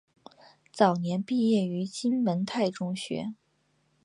早年毕业于金文泰中学。